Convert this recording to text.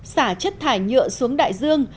xả chất thải nhựa xuống đại dương